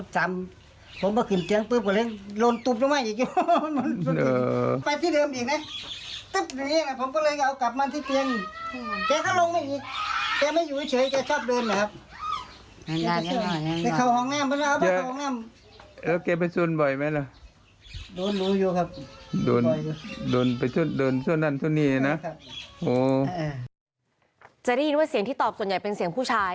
จะได้ยินว่าเสียงที่ตอบส่วนใหญ่เป็นเสียงผู้ชาย